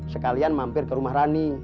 sekalian mampir ke rumah rani